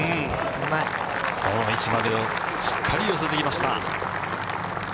この位置までもしっかり寄せてきました。